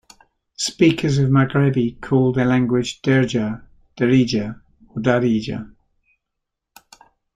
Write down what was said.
Speakers of Maghrebi call their language Derja, Derija or Darija.